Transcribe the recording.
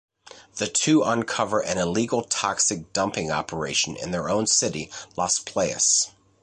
The two uncover an illegal toxic dumping operation in their own city, Las Playas.